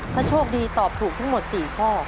ถ้าโชคดีตอบถูกทั้งหมด๔ข้อ